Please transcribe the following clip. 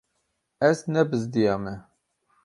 Ez nebizdiyame.